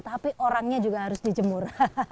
tapi orangnya juga harus dijemur